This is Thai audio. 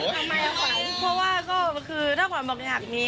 ทำไมล่ะคะเพราะว่าก็คือถ้าขวัญบอกอยากมี